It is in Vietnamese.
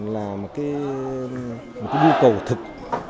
là một cái nhu cầu thực